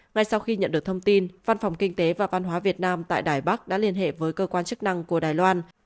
ngay sau khi nhận được thông tin văn phòng kinh tế và văn hóa việt nam tại đài bắc đã liên hệ với cơ quan chức năng của đài loan